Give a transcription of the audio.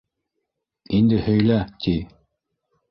Инде һөйлә, - ти.